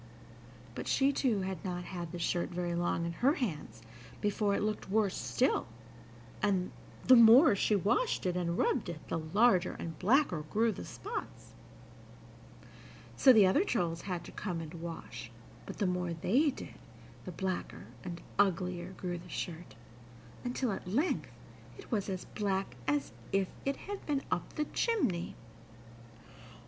But she too had not had the shirt very long in her hands before it looked worse still, and, the more she washed it and rubbed it, the larger and blacker grew the spots. So the other trolls had to come and wash, but, the more they did, the blacker and uglier grew the shirt, until at length it was as black as if it had been up the chimney.